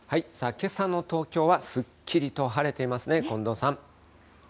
けさの東京はすっきりと晴れていますね、近藤さん。